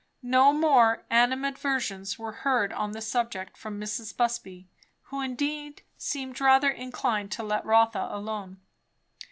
No more animadversions were heard on the subject from Mrs. Busby, who indeed seemed rather inclined to let Rotha alone.